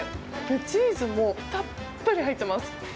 チーズもたっぷり入ってます。